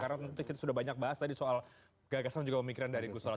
karena kita sudah banyak bahas tadi soal gagasan juga pemikiran dari gusola